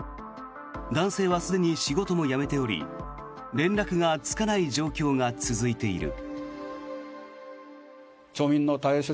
男性はすでに仕事も辞めており連絡がつかない状況が続いている。